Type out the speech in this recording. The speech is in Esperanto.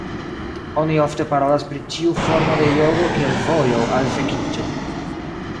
Oni ofte parolas pri ĉiu formo de jogo kiel "vojo" al vekiĝo.